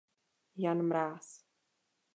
Jan Mráz.